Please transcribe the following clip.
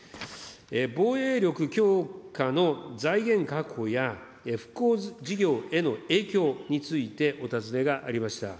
防衛力強化の財源確保や復興事業への影響についてお尋ねがありました。